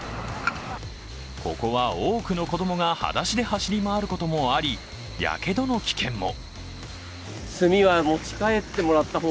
ここは多くの子供がはだしで走り回ることもあり、やけどの危険も。